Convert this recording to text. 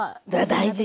大事！